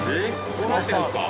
こうなってるんですか？